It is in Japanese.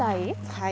はい。